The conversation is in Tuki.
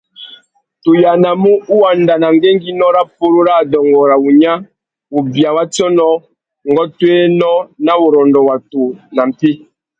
Tu yānamú uwanda nà ngüéngüinô râ purú râ adôngô nà wunya, wubia wa tsônô, ngôtōénô na wurrôndô watu nà mpí.